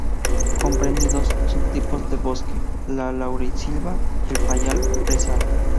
Comprende dos subtipos de bosque: la laurisilva y el fayal-brezal.